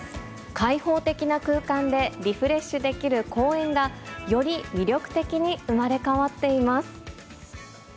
開放的な空間でリフレッシュできる公園が、より魅力的に生まれ変わっています。